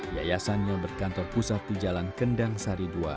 yayasan yang berkantor pusat di jalan kendang sari dua